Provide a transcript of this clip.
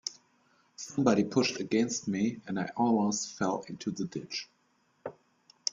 Somebody pushed against me, and I almost fell into the ditch.